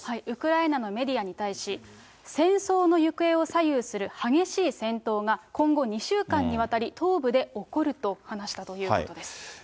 ウクライナのメディアに対し、戦争の行方を左右する激しい戦闘が、今後、２週間にわたり東部で起こると話したということです。